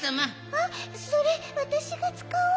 あっそれわたしがつかおうと。